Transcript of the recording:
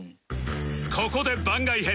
ここで番外編